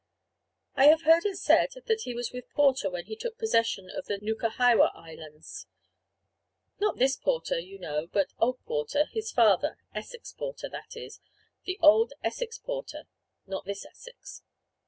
I have heard it said that he was with Porter when he took possession of the Nukahiwa Islands. Not this Porter, you know, but old Porter, his father, Essex Porter that is, the old Essex Porter, not this Essex.